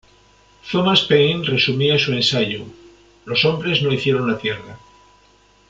Thomas Paine resumía su ensayo: ""Los hombres no hicieron la Tierra.